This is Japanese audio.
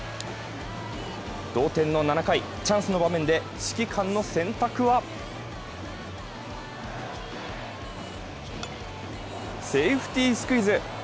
同点の７回、チャンスの場面で指揮官の選択は、セーフティースクイズ。